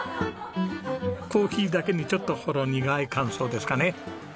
コーヒーだけにちょっとほろ苦い感想ですかね。